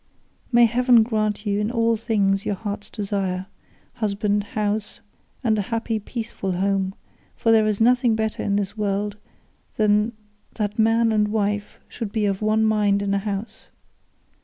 May heaven grant you in all things your heart's desire—husband, house, and a happy, peaceful home; for there is nothing better in this world than that man and wife should be of one mind in a house.